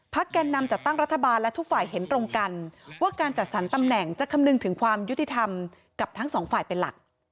แกนนำจัดตั้งรัฐบาลและทุกฝ่ายเห็นตรงกันว่าการจัดสรรตำแหน่งจะคำนึงถึงความยุติธรรมกับทั้งสองฝ่ายเป็นหลัก